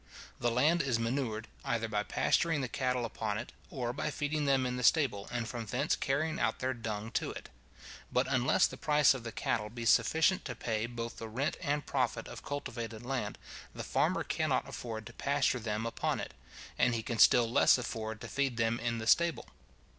The land is manured, either by pasturing the cattle upon it, or by feeding them in the stable, and from thence carrying out their dung to it. But unless the price of the cattle be sufficient to pay both the rent and profit of cultivated land, the farmer cannot afford to pasture them upon it; and he can still less afford to feed them in the stable.